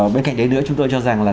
bên cạnh đấy nữa chúng tôi cho rằng